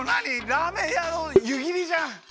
ラーメンやのゆぎりじゃん。